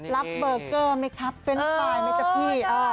รับเบอร์เกอร์ไหมครับเป็นปลายไหมจ๊ะพี่